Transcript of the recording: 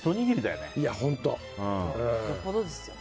よっぽどですよ。